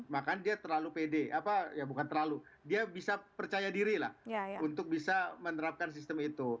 maka dia terlalu pede apa ya bukan terlalu dia bisa percaya diri lah untuk bisa menerapkan sistem itu